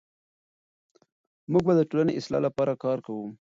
موږ به د ټولنې د اصلاح لپاره کار کوو.